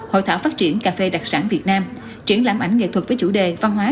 hội thảo phát triển cà phê đặc sản việt nam triển lãm ảnh nghệ thuật với chủ đề văn hóa